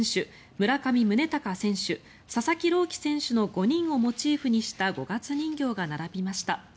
村上宗隆選手、佐々木朗希選手の５人をモチーフにした五月人形が並びました。